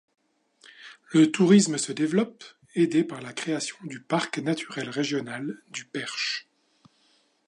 Le tourisme se développe aidé par la création du Parc naturel régional du Perche.